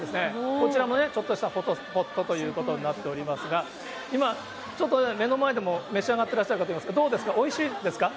こちらも、ちょっとしたフォトスポットということになってますが、今、ちょっと目の前でも召し上がってらっしゃる方います、どうですか、おいしいですか？